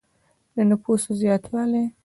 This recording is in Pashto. د نفوسو زیاتوالی.